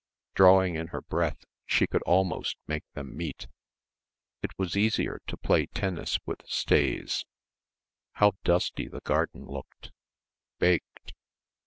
Drawing in her breath she could almost make them meet. It was easier to play tennis with stays ... how dusty the garden looked, baked.